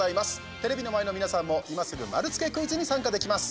テレビの前の皆さんも今すぐ丸つけクイズに参加できます。